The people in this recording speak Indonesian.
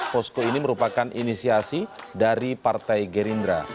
posko ini merupakan inisiasi dari partai gerindra